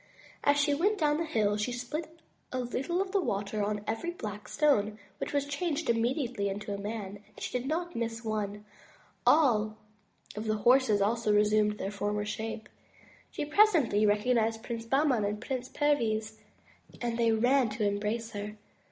As she went down the hill, she spilt a little of the water on every black stone, which was changed immediately into a man; and as she did not miss one stone, all of the horses also resumed their former shape. She presently recognized Prince Bahman and Prince Perviz, and they ran to embrace her.